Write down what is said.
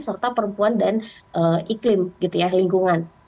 serta perempuan dan iklim gitu ya lingkungan